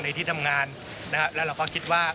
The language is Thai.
ในที่ทำงานแล้วเราก็คิดว่า